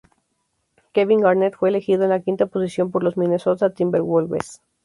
Kevin Garnett fue elegido en la quinta posición por los Minnesota Timberwolves.